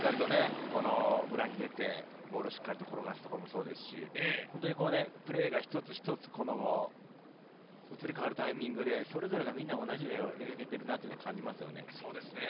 裏に出て、ボールをしっかり転がすところもそうですし、本当にプレーが一つ一つ移り変わるタイミングでそれぞれがみんな同じ絵を描いてるなと感じますね。